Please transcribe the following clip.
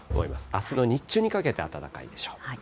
あすの日中にかけて暖かいでしょう。